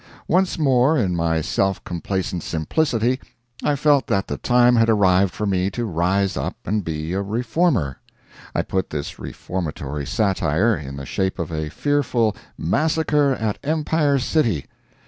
Once more, in my self complacent simplicity I felt that the time had arrived for me to rise up and be a reformer. I put this reformatory satire in the shape of a fearful "Massacre at Empire City."